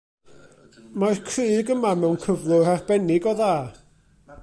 Mae'r crug yma mewn cyflwr arbennig o dda.